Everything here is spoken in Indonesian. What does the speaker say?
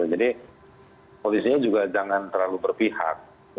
jadi polisinya juga jangan terlalu berpihak